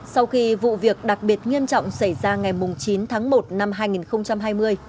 sau khi vụ việc đặc biệt nghiêm trọng xảy ra ngày chín tháng một năm hai nghìn hai mươi